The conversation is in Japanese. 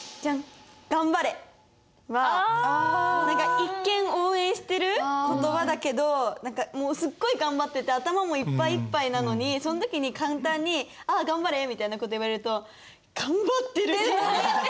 一見応援している言葉だけど何かもうすっごいがんばってて頭もいっぱいいっぱいなのにそん時に簡単に「ああがんばれ」みたいな事言われるとがんばってるしって。